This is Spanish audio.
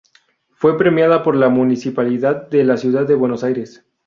Fue premiada por la Municipalidad de la ciudad de Buenos Aires.